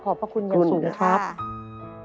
ขอบพระคุณอย่างสูงครับคุณก็ครับ